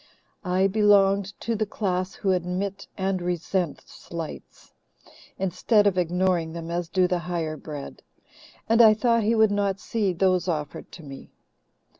I belonged to the class who admit and resent slights, instead of ignoring them, as do the higher bred, and I thought he would not see those offered to me.